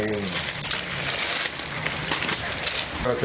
พร้อมทุกสิทธิ์